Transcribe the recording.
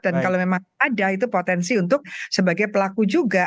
kalau memang ada itu potensi untuk sebagai pelaku juga